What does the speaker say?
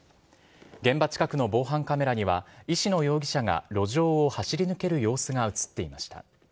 現場近くの防犯カメラには石野容疑者が路上を走り抜ける様子が映っていました。